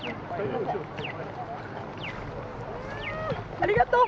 ありがとう。